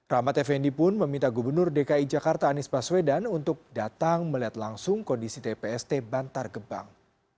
rahmat effendi pun meminta gubernur dki jakarta anies baswedan untuk datang melihat langsung kondisi tpst bantar gebang